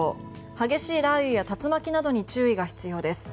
激しい雷雨や竜巻などに注意が必要です。